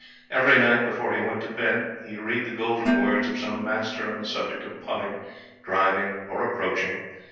Every night before he went to bed he would read the golden words of some master on the subject of putting, driving, or approaching.